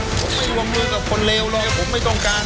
ผมไม่วงมือกับคนเลวเลยผมไม่ต้องการ